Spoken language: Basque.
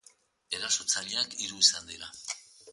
Erasotzaileak hiru izan dira.